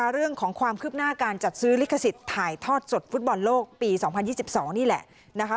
เรื่องของความคืบหน้าการจัดซื้อลิขสิทธิ์ถ่ายทอดสดฟุตบอลโลกปี๒๐๒๒นี่แหละนะคะ